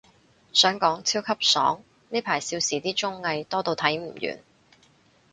想講，超級爽，呢排少時啲綜藝，多到睇唔完